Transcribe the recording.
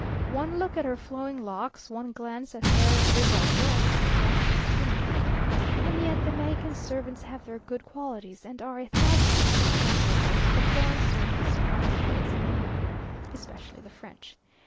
One look at her flowing locks, one glance at her reboso, et c'est fini. And yet the Mexican servants have their good qualities, and are a thousand times preferable to the foreign servants one finds in Mexico; especially the French.